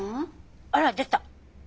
あら出た。